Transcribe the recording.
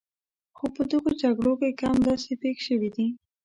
خو په دغو جګړو کې کم داسې پېښ شوي دي.